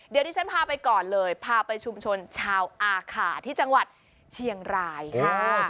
เดี๋ยวที่ฉันพาไปก่อนเลยพาไปชุมชนชาวอาขาที่จังหวัดเชียงรายค่ะ